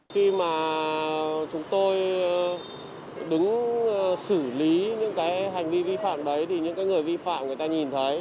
khi mà chúng tôi đứng xử lý những cái hành vi vi phạm đấy thì những người vi phạm người ta nhìn thấy